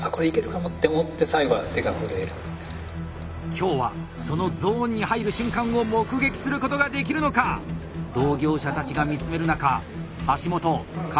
今日はそのゾーンに入る瞬間を目撃することができるのか⁉同業者たちが見つめる中橋本構えに入った。